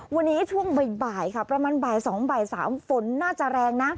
วันนี้ช่วงบ่ายค่ะประมาณบ่าย๒บ่าย๓ฝนน่าจะแรงนะ